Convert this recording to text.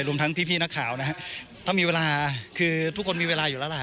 รวมทั้งพี่นักข่าวนะฮะถ้ามีเวลาคือทุกคนมีเวลาอยู่แล้วล่ะ